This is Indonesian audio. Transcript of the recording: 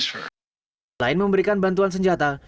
selain memberikan bantuan senjata